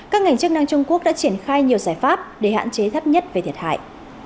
các ngành chức năng trung quốc đã triển khai nhiều giải pháp để hạn chế thấp nhất về thiệt hại